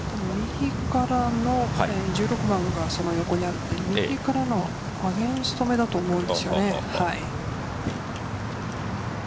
右からの１６番が横にあって、アゲンストめだと思うんですよね。